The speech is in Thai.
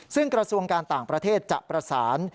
ซึ่งกระทรวงการต่างประเทศจะประสาน